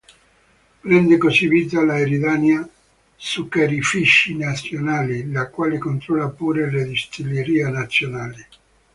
Prende così vita la "Eridania Zuccherifici Nazionali", la quale controlla pure la "Distillerie Nazionali".